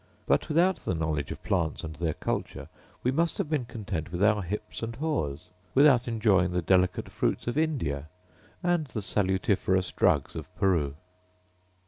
But, without the knowledge of plants and their culture, we must have been content with our hips and haws, without enjoying the delicate fruits of India and the salutiferous drugs of Peru.